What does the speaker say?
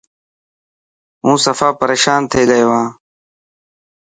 هون سفا پريشان ٿي گيو هان.